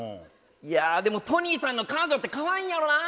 いやでもトニーさんの彼女ってかわいいんやろな。